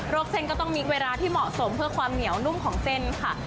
เส้นก็ต้องมิกเวลาที่เหมาะสมเพื่อความเหนียวนุ่มของเส้นค่ะ